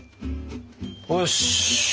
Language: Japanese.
よし。